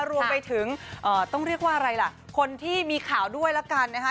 รวมไปถึงต้องเรียกว่าอะไรล่ะคนที่มีข่าวด้วยแล้วกันนะคะ